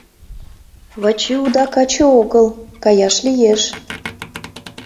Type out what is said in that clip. Вачи уда каче огыл, каяш лиеш...